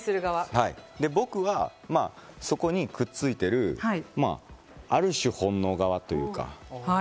僕はそこにくっついてる、まぁ、ある種、本能側というか。